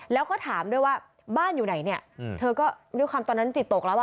แล้วก็ถามด้วยว่าบ้านอยู่ไหนเนี่ยเธอก็ด้วยความตอนนั้นจิตตกแล้วอ่ะ